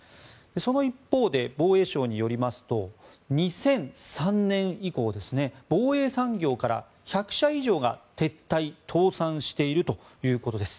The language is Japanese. その一方で防衛省によりますと２００３年以降防衛産業から１００社以上が撤退・倒産しているということです。